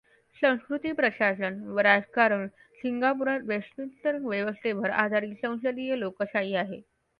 संस्कृती प्रशासन व राजकारण सिंगापुरात वेस्टमिन्स्टर व्यवस्थेवर आधारित संसदीय लोकशाही आहे.